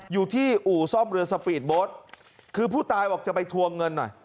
อยู่ที่อู่ซ่อมเรือสปีดโบ๊ทคือผู้ตายบอกจะไปทวงเงินหน่อย